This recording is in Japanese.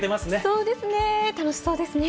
そうですね、楽しそうですね。